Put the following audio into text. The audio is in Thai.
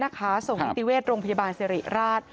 ส่งพิกษาพิวทร์โรงพยาบาลเศรีร้าช